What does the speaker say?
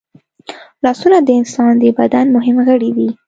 لاسونه د انسان د بدن مهم غړي دي